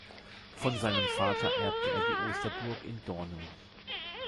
Von seinem Vater erbte er die Osterburg in Dornum.